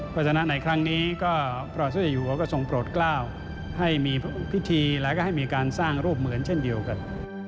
ภาษณะไหนครั้งนี้ก็พระวาสุจริยหัวก็ทรงโปรดกล้าวให้มีพิธีและก็ให้มีการสร้างรูปเหมือนเช่นเดียวกัน